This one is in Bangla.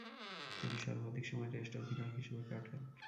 তিনি সর্বাধিক সময় টেস্ট অধিনায়ক হিসেবে কাটান।